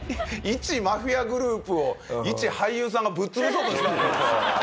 いちマフィアグループをいち俳優さんがぶっ潰そうとしたわけでしょ？